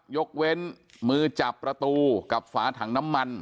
ยกเว้นมือจับประตูกับฝาถังน้ำมัน